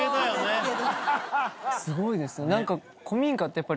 すごいですね。